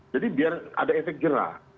jadi biar ada efek gerah